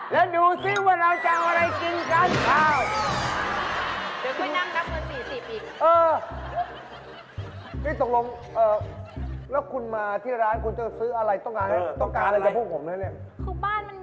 แล้วดูสิว่าเราจะเอาอะไรกินกัน